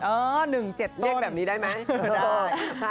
เรียกแบบนี้ได้ไหม